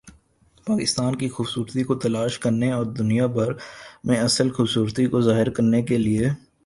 پاکستان کی خوبصورتی کو تلاش کرنے اور دنیا بھر میں اصل خوبصورتی کو ظاہر کرنے کے لئے